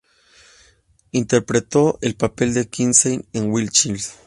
Interpretó el papel de Kinsey en "Wild Child".